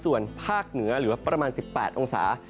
ส่วนภาคเหนือเหลือประมาณ๑๘องศา